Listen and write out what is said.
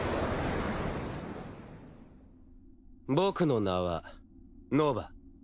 僕の名はノヴァ。